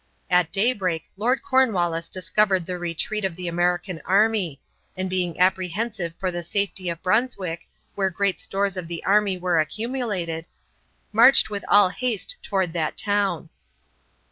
At daybreak Lord Cornwallis discovered the retreat of the American army, and being apprehensive for the safety of Brunswick, where great stores of the army were accumulated, marched with all haste toward that town.